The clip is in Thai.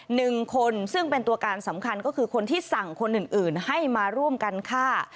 หนึ่งคนซึ่งเป็นตัวการสำคัญก็คือคนที่สั่งคนอื่นอื่นให้มาร่วมกันฆ่า